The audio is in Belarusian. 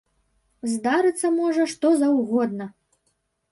Здарыцца можа што заўгодна!